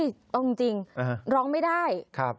เอาจริงร้องไม่ได้